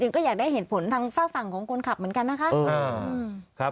ก็อยากได้เหตุผลทางฝากฝั่งของคนขับเหมือนกันนะคะ